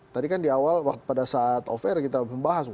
tadi kan di awal pada saat offer kita membahas